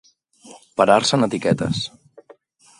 Parar-se en etiquetes.